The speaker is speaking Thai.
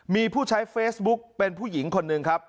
มีผู้ใช้เฟซบุ๊กเป็นผู้หญิงคนหนึ่งครับ